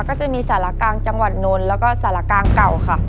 ก็จะมีสารกลางจังหวัดนนท์แล้วก็สารกลางเก่าค่ะ